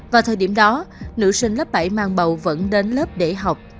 vào thời điểm đó nữ sinh lớp bảy mang bầu vẫn đến lớp để học